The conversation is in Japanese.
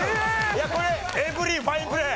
いやこれエブリンファインプレー！